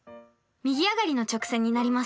右上がりの直線になります。